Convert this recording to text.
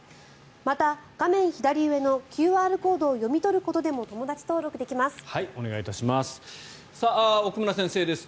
また画面左上のＱＲコードを読み取ることでもお願いいたします。